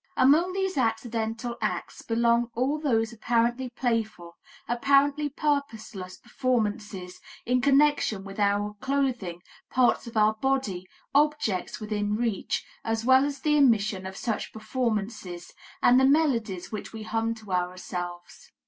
Among these accidental acts belong all those apparently playful, apparently purposeless performances in connection with our clothing, parts of our body, objects within reach, as well as the omission of such performances, and the melodies which we hum to ourselves.